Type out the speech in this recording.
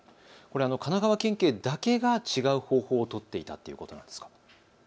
これは神奈川県警だけが違う方法を取っていたということなんですか？